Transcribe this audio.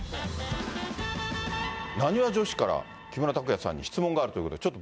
なにわ女子から、木村拓哉さんに質問があるということで、ちょっと。